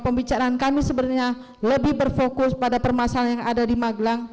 pembicaraan kami sebenarnya lebih berfokus pada permasalahan yang ada di magelang